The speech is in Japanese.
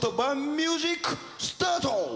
ミュージックスタート！